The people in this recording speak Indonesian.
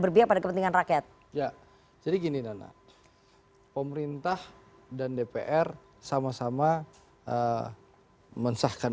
berpihak pada kepentingan rakyat ya jadi gini nana pemerintah dan dpr sama sama mensahkan